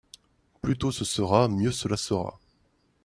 Plus tôt ce sera, mieux cela sera.